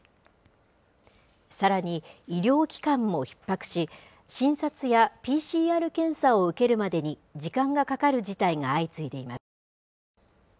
さらに、医療機関もひっ迫し、診察やＰＣＲ検査を受けるまでに時間がかかる事態が相次いでいます。